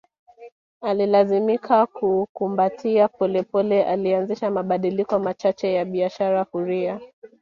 Alilazimika kuukumbatia pole pole alianzisha mabadiliko machache ya biashara huria